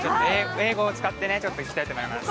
英語を使っていきたいと思います。